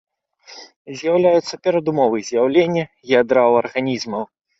З'яўляюцца перадумовы з'яўлення ядра ў арганізмаў.